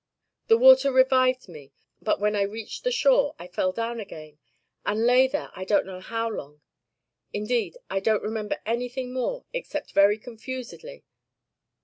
The water revived me, but when I reached the shore, I fell down again, and lay there I don't know how long. Indeed I don't remember anything more except very confusedly.